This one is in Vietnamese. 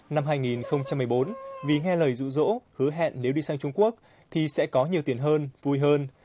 năm hai nghìn một mươi bốn vì nghe lời rụ rỗ hứa hẹn nếu đi sang trung quốc thì sẽ có nhiều tiền hơn vui hơn